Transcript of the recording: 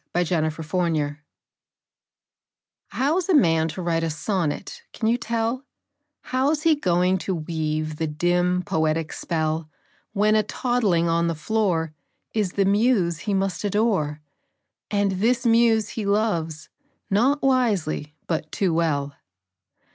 THE POET AND THE BABY How's a man to write a sonnet, can you tell, How's he going to weave the dim, poetic spell, When a toddling on the floor Is the muse he must adore, And this muse he loves, not wisely, but too well?